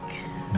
gak enakan ya